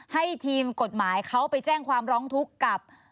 ให้ทีมกฎหมายเขาไปแจ้งความร้องทุกข์กับ